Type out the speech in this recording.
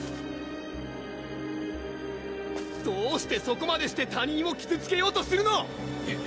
どうしてそこまでして他人を傷つけようとするの！